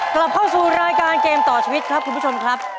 กลับเข้าสู่รายการเกมต่อชีวิตครับคุณผู้ชมครับ